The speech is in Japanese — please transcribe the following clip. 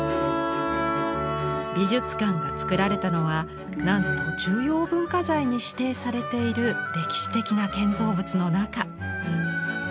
美術館が造られたのはなんと重要文化財に指定されている歴史的な建造物の中。